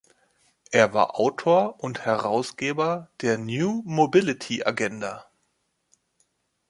Er war Autor und Herausgeber der "New Mobility Agenda.